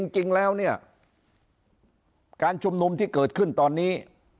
จริงแล้วเนี่ยการชุมนุมที่เกิดขึ้นตอนนี้